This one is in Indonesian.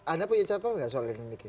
anda punya catatan soal ini